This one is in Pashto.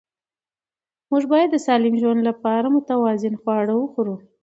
موږ باید د سالم ژوند لپاره متوازن خواړه وخورو